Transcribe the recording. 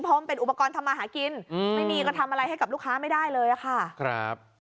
เพราะมันเป็นอุปกรณ์ทำมาหากินอืมไม่มีก็ทำอะไรให้กับลูกค้าไม่ได้เลยอะค่ะครับ